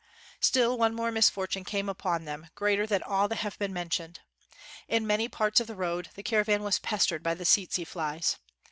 Still one more misfortune came upon them, greater than all that have been men tioned. In many parts of the road, the caravan was pestered by the tsetse flies.